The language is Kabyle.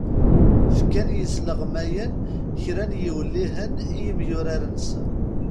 Fkan yisleɣmayen kra n yiwellihen i yemyurar-nsen.